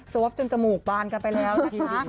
จนจมูกบานกันไปแล้วนะคะ